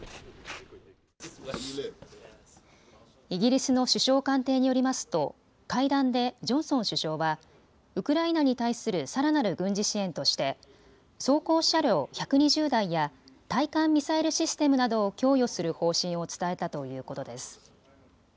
イギリスの首相官邸によりますと会談でジョンソン首相はウクライナに対するさらなる軍事支援として装甲車両１２０台や対艦ミサイルシステムなどを供与する方針を伝えたということです。